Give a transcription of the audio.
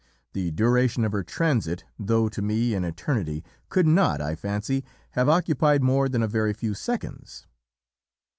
The duration of her transit, though to me an eternity, could not, I fancy, have occupied more than a very few seconds.